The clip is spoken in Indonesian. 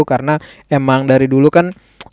karena emang dari dulu kan